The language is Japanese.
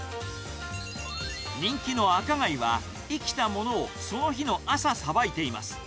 人気の赤貝は、生きたものをその日の朝、さばいています。